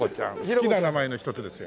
好きな名前の一つですよ。